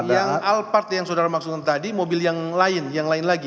yang al part yang saudara maksudkan tadi mobil yang lain yang lain lagi